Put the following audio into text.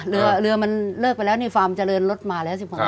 เพราะเรือมันเลิกไปแล้วนี่ฟาร์มเจริญรถมาแล้วสิครับ